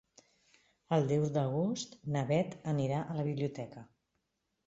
El deu d'agost na Beth anirà a la biblioteca.